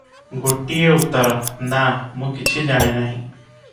ଗୋଟିଏ ଉତ୍ତର, "ନା, ମୁଁ କିଛି ଜାଣେ ନାହିଁ ।"